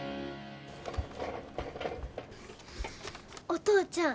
お父ちゃん。